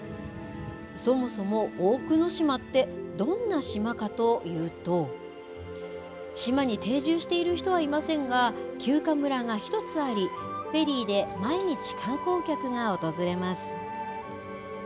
そもそも大久野島って、どんな島かというと、島に定住している人はいませんが、休暇村が１つあり、フェリーで毎日観光客が訪れます。